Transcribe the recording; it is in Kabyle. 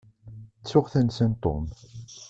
Ttuɣ tansa n Tom.